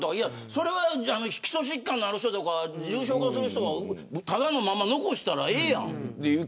それは基礎疾患のある人とか重症化する人はただのまま残したらええやん。